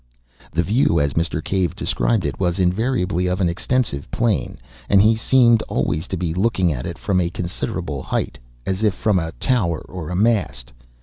The view, as Mr. Cave described it, was invariably of an extensive plain, and he seemed always to be looking at it from a considerable height, as if from a tower or a mast.